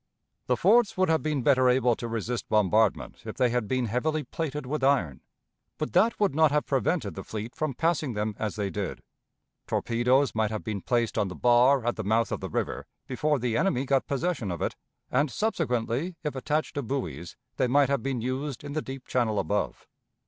The forts would have been better able to resist bombardment if they had been heavily plated with iron; but that would not have prevented the fleet from passing them as they did. Torpedoes might have been placed on the bar at the mouth of the river before the enemy got possession of it, and subsequently, if attached to buoys, they might have been used in the deep channel above.